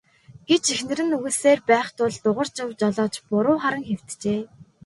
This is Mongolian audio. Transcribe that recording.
гэж эхнэр нь үглэсээр байх тул Дугаржав жолооч буруу харан хэвтжээ.